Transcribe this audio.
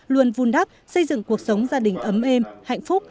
luôn vun đắp xây dựng cuộc sống gia đình ấm êm hạnh phúc